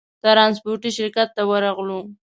ترانسپورټي شرکت ته ورغلو.